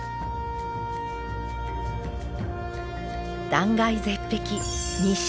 断崖絶壁